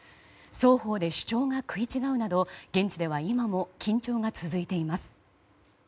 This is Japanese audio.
双方で主張が食い違うなど現地では今も緊張が続いています。